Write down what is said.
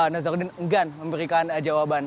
nazarudin enggak memberikan jawaban